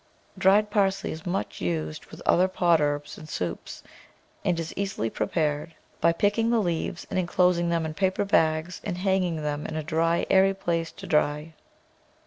Dried parsley is much used with other pot herbs in soups, and is easily prepared by picking the PERENNIAL VEGETABLES leaves and enclosing them in paper bags and hang ing them in a dry, airy place to dry.